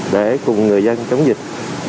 để cùng người dân chống dịch